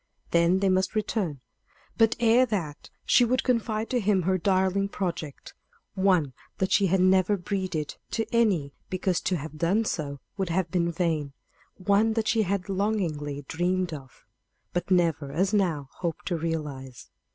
Then they must return. But ere that she would confide to him her darling project; one that she had never breathed to any, because to have done so would have been vain; one that she had longingly dreamed of, but never, as now, hoped to realize.